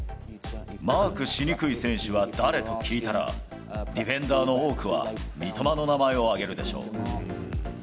マークしにくい選手は誰？と聞いたら、ディフェンダーの多くは三笘の名前を挙げるでしょう。